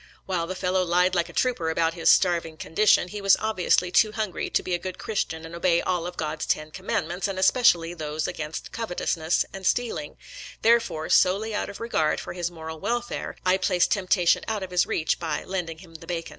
While the fellow lied like a trooper about his starving condition, he was obviously too hungry to be a good Christian and obey all of Cod's ten commandments, and especially those against covetousness and stealing; therefore, solely out of regard for his moral welfare, I placed temp tation out of his reach by lending him the bacon.